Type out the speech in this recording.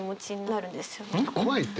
怖いって。